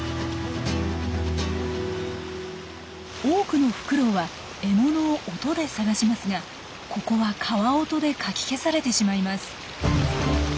多くのフクロウは獲物を音で探しますがここは川音でかき消されてしまいます。